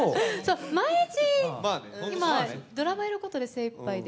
毎日、今、ドラマのことで精いっぱいで。